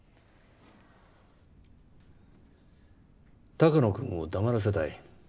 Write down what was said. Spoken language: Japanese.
鷹野君を黙らせたい。